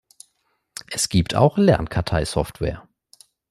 Es gibt auch Lernkartei-Software.